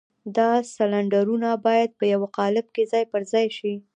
دا سلنډرونه بايد په يوه قالب کې ځای پر ځای شي.